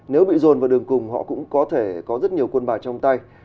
nếu bị dồn vào đường cùng họ cũng có thể có rất nhiều quân bài trong tay